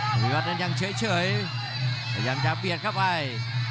วิวัตรนั้นยังเฉยพยายามจะเบียดเข้าไป